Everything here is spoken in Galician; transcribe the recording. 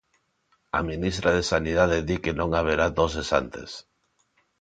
A ministra de Sanidade di que non haberá doses antes.